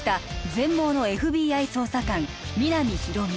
全盲のＦＢＩ捜査官皆実